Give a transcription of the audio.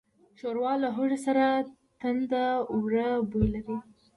ښوروا له هوږې سره تندهوره بوی لري.